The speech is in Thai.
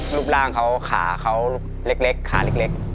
รูปร่างเขาขาเขาเล็กขาเล็ก